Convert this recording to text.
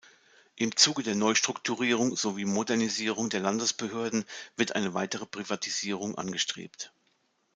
Im Zuge der Neustrukturierung sowie Modernisierung der Landesbehörden wird eine weitere Privatisierung angestrebt.